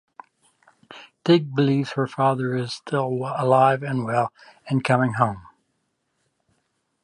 Teg believes that her father is still alive and he will come home.